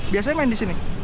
biasanya main di sini